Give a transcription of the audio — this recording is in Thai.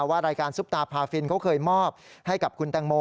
ว่ารายการซุปตาพาฟินเขาเคยมอบให้กับคุณแตงโม